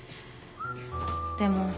でも。